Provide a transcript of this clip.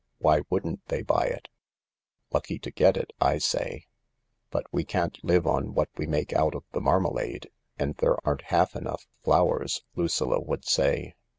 Why wouldn't they buy it ? Lucky to get it, I say." "But we can't live on what we make out of the marmalade, and there aren't half enough flowers/' Lucilla would say.